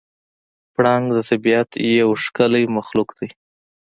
پړانګ د طبیعت یو ښکلی مخلوق دی.